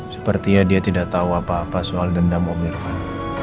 sepertinya dia tidak tahu apa apa soal dendam om irfan